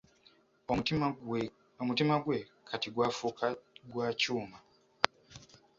Omutima gwe kati gwafuuka gwa kyuma.